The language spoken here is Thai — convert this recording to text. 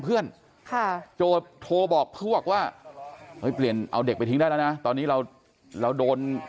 เพื่อนโทรบอกพวกว่าเอาเด็กไปทิ้งได้แล้วนะตอนนี้เราเราโดน